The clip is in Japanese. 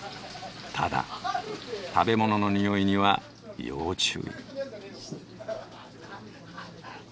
ただ食べ物のにおいには要注意。